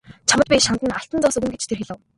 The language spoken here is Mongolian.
Чамд би шанд нь алтан зоос өгнө гэж тэр хэлэв.